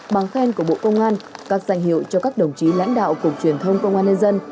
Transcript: bằng khen của bộ công an các danh hiệu cho các đồng chí lãnh đạo cục truyền thông công an nhân dân